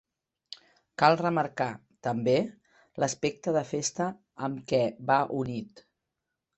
Cal remarcar, també, l’aspecte de festa amb què va unit.